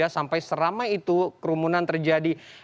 sampai seramai itu kerumunan terjadi